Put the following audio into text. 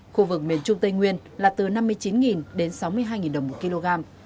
khu vực miền trung tây nguyên là từ năm mươi chín đến sáu mươi hai đồng một kg